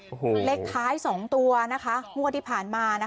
โอ้โหเลขค้ายสองตัวนะคะมวดที่ผ่านมานะคะ